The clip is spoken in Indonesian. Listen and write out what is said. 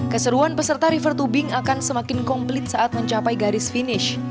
keseruan peserta river tubing akan semakin komplit saat mencapai garis finish